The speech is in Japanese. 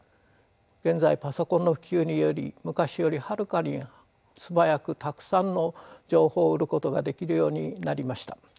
現在パソコンの普及により昔よりはるかに素早くたくさんの情報を得ることができるようになりました。